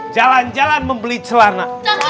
jalan jalan membeli celana